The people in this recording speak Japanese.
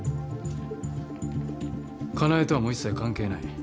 香奈江とはもう一切関係ない。